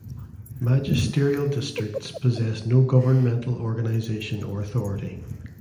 Magisterial districts possess no governmental organization or authority.